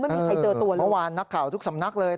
ไม่มีใครเจอตัวเลยเมื่อวานนักข่าวทุกสำนักเลย